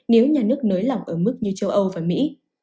nếu nhà nước nới lỏng ở mức như châu âu và mỹ